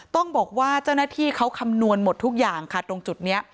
ต้องบอกว่าเจ้าหน้าที่เขาคำนวณหมดทุกอย่างค่ะตรงจุดนี้